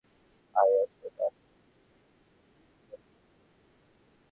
আয়াস ও তারসূস-এর মধ্যবর্তী স্থানে সাগরে গিয়ে পড়েছে।